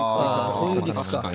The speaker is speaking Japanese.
そういう理屈か。